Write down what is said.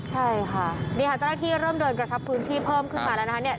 ใช่ค่ะนี่ค่ะเจ้าหน้าที่เริ่มเดินกระชับพื้นที่เพิ่มขึ้นมาแล้วนะคะ